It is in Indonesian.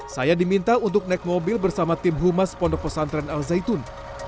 saya diminta untuk naik mobil bersama tim humas pondok pesantren al zaitun